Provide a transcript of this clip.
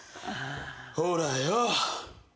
ほらよ。